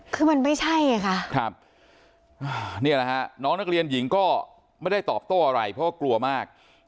คือมันไม่ใช่ไงค่ะครับนี่แหละฮะน้องนักเรียนหญิงก็ไม่ได้ตอบโต้อะไรเพราะว่ากลัวมาก